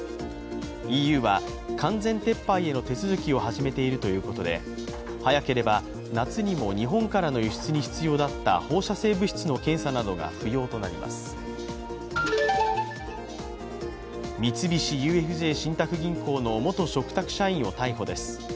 ＥＵは完全撤廃への手続きを始めているということで、早ければ夏にも日本からの輸出に必要だった放射性物質の検査などが不要となります。三菱ＵＦＪ信託銀行の元嘱託社員を逮捕です。